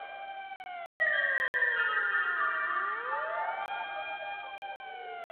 Mary's Hospital for Children" de Bayside, Queens, Nueva York.